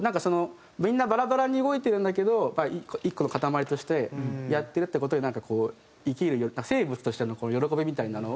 みんなバラバラに動いてるんだけど１個の固まりとしてやってるって事になんかこう生きる生物としての喜びみたいなのを。